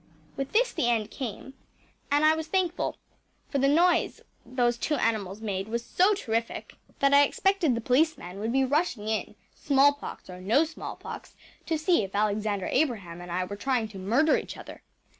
‚ÄĚ With this the end came and I was thankful, for the noise those two animals made was so terrific that I expected the policeman would be rushing in, smallpox or no smallpox, to see if Alexander Abraham and I were trying to murder each other.